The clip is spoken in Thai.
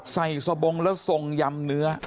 สบงแล้วทรงยำเนื้อ